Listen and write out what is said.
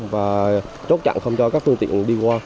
và chốt chặn không cho các phương tiện đi qua